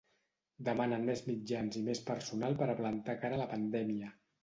Demanen més mitjans i més personal per a plantar cara a la pandèmia.